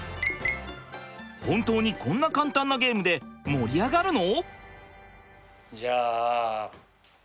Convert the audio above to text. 本当にこんな簡単なゲームで盛り上がるの！？